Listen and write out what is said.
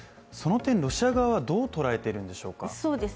その点、ロシア側はどう捉えているんでしょうか？